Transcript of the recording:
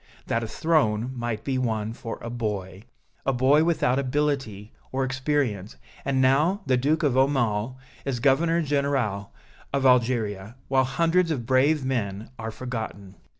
that a throne might be won for a boy a boy without ability, or experience, and now the Duke of Aumale is Governor General of Algeria, while hundreds of brave men are forgotten."